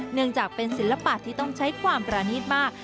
เนื่องจากเป็นศิลปะที่ต้องใช้ความประณีตมาก